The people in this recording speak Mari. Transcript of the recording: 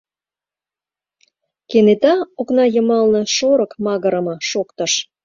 Кенета окна йымалне шорык магырыме шоктыш.